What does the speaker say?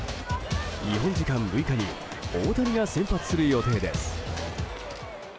日本時間６日に大谷が先発する予定です。